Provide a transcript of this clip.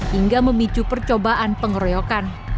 hingga memicu percobaan pengeroyokan